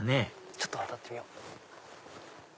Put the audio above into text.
ちょっと渡ってみよう。